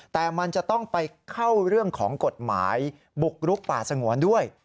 แต่มันจะต้องไปเข้าเรื่องของกฎหมายบุกรุกป่าสงวนด้วย